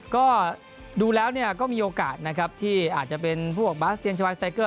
ก็ดูแล้วก็มีโอกาสนะครับที่อาจจะเป็นพวกบาสเตียวายสไตเกอร์